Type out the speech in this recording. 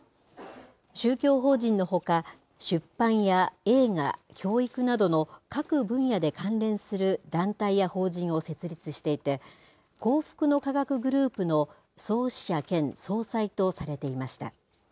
宗教法人のほか、出版や映画、教育などの各分野で関連する団体や法人を設立していて、幸福の科学グループの創始者兼総裁とされていました。